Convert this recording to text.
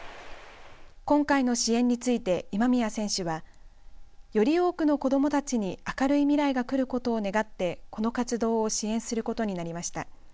今回の支援について、今宮選手はより多くの子どもたちに明るい未来がくることを願ってこの活動を支援することになりました。